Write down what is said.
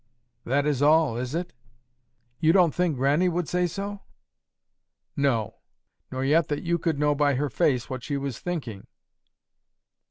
"That is all, is it?" "You don't think Grannie would say so?" "No. Nor yet that you could know by her face what she was thinking."